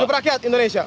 hidup rakyat indonesia